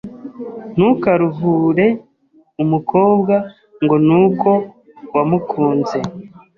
ntukaruhure umukobwa ngo ni uko wamukunze